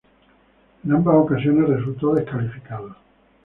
En ambas ocasiones resultó descalificado.